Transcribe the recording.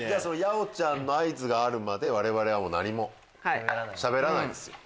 やおちゃんの合図があるまで我々は何もしゃべらないです。